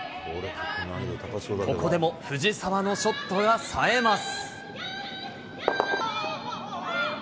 ここでも藤澤のショットがさえます。